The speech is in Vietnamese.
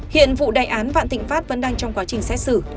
hiện vụ đại án vạn thịnh pháp vẫn đang trong quá trình xét xử